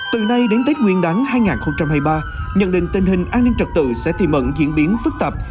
từ nay đến tết nguyên đáng hai nghìn hai mươi ba nhận định tình hình an ninh trật tự sẽ tìm mận diễn biến phức tạp